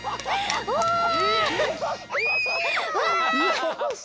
よし！